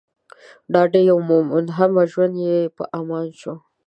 ډاډ يې وموند، همه ژوند يې په امان شو